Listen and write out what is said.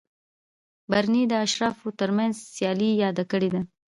برني د اشرافو ترمنځ سیالي یاده کړې ده.